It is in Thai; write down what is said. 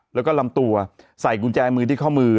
แล้วก็ลำตัวใส่กุญแจมือที่ข้อมือ